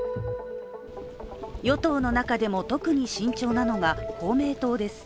与党の中でも特に慎重なのが公明党です。